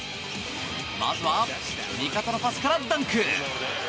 まずは、味方のパスからダンク。